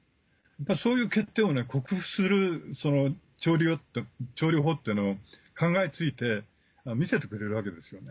そういう欠点を克服する調理法っていうのを考えついて見せてくれるわけですよね。